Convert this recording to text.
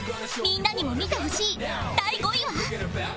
みんなにも見てほしい第５位は？